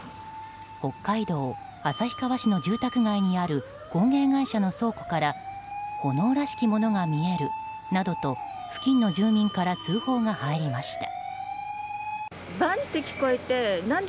北海道旭川市の住宅街にある工芸会社の倉庫から炎らしきものが見えるなどと付近の住民から通報が入りました。